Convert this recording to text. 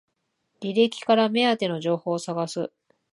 履歴から目当ての情報を探す